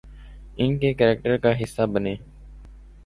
ان کے کریکٹر کا حصہ بنیں۔